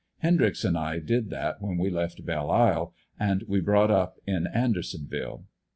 Hendryx and I did that when we left Belle Isle, and we brought up in An dersonville.